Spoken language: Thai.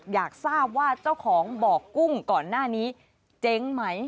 อยากทราบว่าเจ้าของบ่อกุ้งก่อนหน้านี้เจ๊งไหม